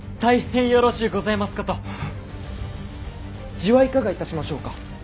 地はいかがいたしましょうか。